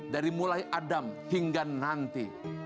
dari mulai adam hingga nanti